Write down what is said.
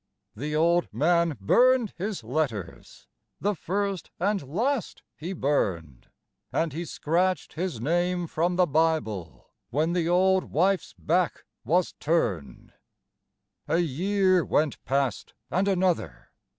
The old man burned his letters, the first and last he burned, And he scratched his name from the Bible when the old wife's back was turned. A year went past and another.